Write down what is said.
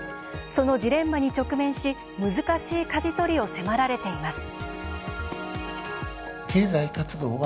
そのジレンマに直面し難しいかじ取りを迫られています。